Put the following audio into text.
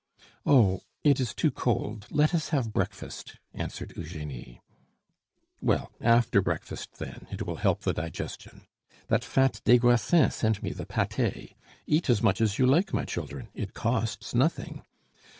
"Oh! it is too cold; let us have breakfast," answered Eugenie. "Well, after breakfast, then; it will help the digestion. That fat des Grassins sent me the pate. Eat as much as you like, my children, it costs nothing.